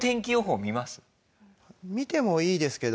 見てもいいですけど。